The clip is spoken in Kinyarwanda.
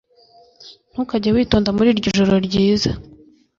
ntukajye witonda muri iryo joro ryiza.